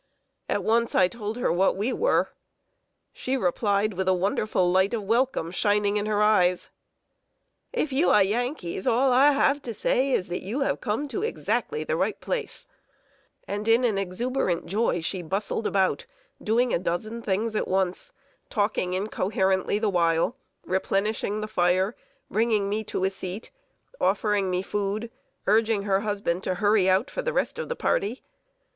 At once I told her what we were. She replied, with a wonderful light of welcome shining in her eyes: "If you are Yankees, all I have to say is, that you have come to exactly the right place!" [Sidenote: FOOD, SHELTER, AND HOSTS OF FRIENDS.] And, in exuberant joy, she bustled about, doing a dozen things at once, talking incoherently the while, replenishing the fire, bringing me a seat, offering me food, urging her husband to hurry out for the rest of the party.